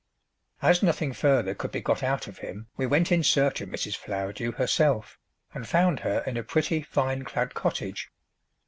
As nothing further could be got out of him we went in search of Mrs. Flowerdew herself, and found her in a pretty vine clad cottage.